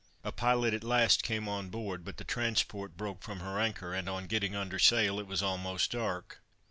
A pilot at last came on board, but the transport broke from her anchor, and on getting under sail, it was almost dark.